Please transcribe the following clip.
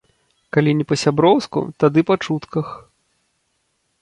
Калі не па-сяброўску, тады па чутках.